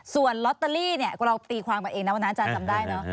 ส่วนลอตเตอรี่เนี่ยเราตีความกันเองนะวันนั้นอาจารย์จำได้เนอะ